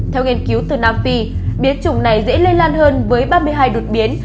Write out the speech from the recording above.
theo nghiên cứu từ nam phi biến chủng này dễ lây lan hơn với ba mươi hai đột biến